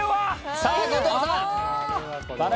さぁ後藤さん。